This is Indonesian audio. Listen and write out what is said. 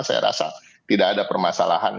saya rasa tidak ada permasalahan